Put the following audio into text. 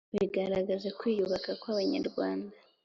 bigaragaza kwiyubaka kw’abanyarwada